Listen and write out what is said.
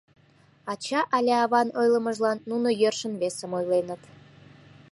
Ача але аван ойлымыжлан нуно йӧршын весым ойленыт.